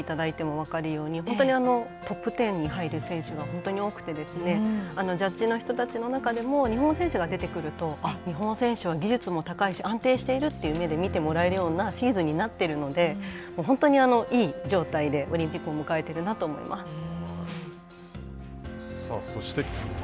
このランキングを見ていただいても分かるように本当にトップ１０に入る選手が本当に多くてジャッジの人たちの中でも日本選手が出てくると日本選手は技術も高いし安定しているという目で見てもらえるようなシーズンになっているので本当にいい状態でオリンピックを迎えているなと思います。